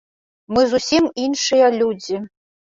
Мы зусім іншыя людзі.